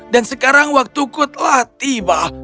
dan sekarang waktuku telah tiba